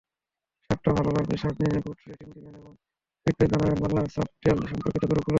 সাবটা ভালো লাগলে সাবসিনে good rating দিবেন এবং ফিডব্যাক জানাবেন বাংলা সাবটেল সম্পর্কিত গ্রুপগুলোতে।